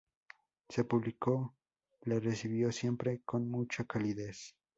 Su público la recibió siempre con mucha calidez.